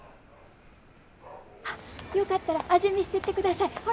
あっよかったら味見してってください。